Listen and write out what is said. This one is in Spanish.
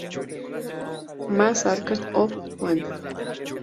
Mass-Arket of one'.